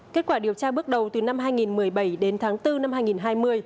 kết quả điều tra bước đầu từ năm hai nghìn một mươi bảy đến tháng bốn năm hai nghìn hai mươi